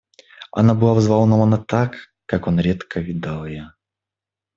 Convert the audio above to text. Она была взволнована так, как он редко видал ее.